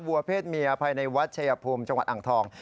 วัวเพศเมียภายในวัดชายภูมิจังหวัดอ่างทอง